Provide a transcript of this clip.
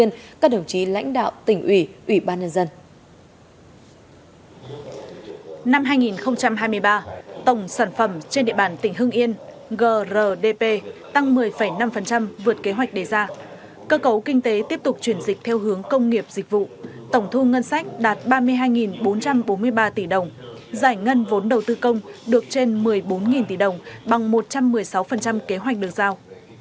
năm hai nghìn hai mươi ba tổng sản phẩm trên địa bàn tỉnh hưng yên grdp tăng một mươi năm vượt kế hoạch đề ra cơ cấu kinh tế tiếp tục chuyển dịch theo hướng công nghiệp dịch vụ tổng thu ngân sách đạt ba mươi hai bốn trăm bốn mươi ba tỷ đồng giải ngân vốn đầu tư công được trên một mươi bốn tỷ đồng bằng một trăm một mươi sáu kế hoạch được giao